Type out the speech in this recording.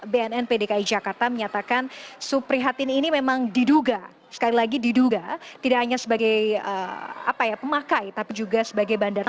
bnnp dki jakarta menyatakan suprihatin ini memang diduga sekali lagi diduga tidak hanya sebagai pemakai tapi juga sebagai bandara